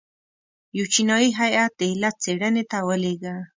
یو چینایي هیات د علت څېړنې ته ولېږه.